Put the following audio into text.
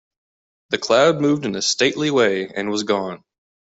The cloud moved in a stately way and was gone.